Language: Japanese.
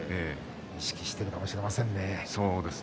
意識しているかもしれません。